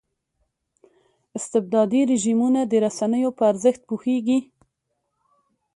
استبدادي رژیمونه د رسنیو په ارزښت پوهېږي.